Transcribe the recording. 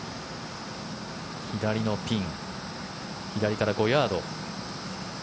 左のピン左から５ヤード。